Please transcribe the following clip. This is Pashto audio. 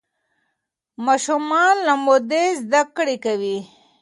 ماشومان له مودې زده کړه کوي.